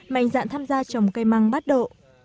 mạnh dạn tham gia trồng cây măng bát độ